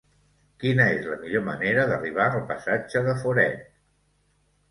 Quina és la millor manera d'arribar al passatge de Foret?